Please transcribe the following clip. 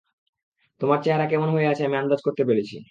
তোমার চেহারা কেমন হয়ে আছে আন্দাজ করতে পারছি আমি।